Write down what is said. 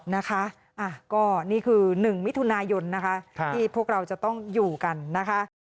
นะคะก็นี่คือ๑มิถุนายนนะคะที่พวกเราจะต้องอยู่กันนะคะ